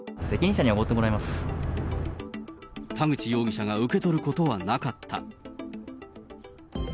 田口容疑者が受け取ることはなかった。